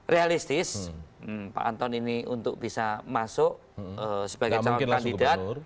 realistis pak anton ini untuk bisa masuk sebagai calon kandidat